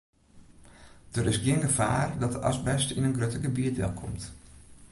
Der is gjin gefaar dat de asbest yn in grutter gebiet delkomt.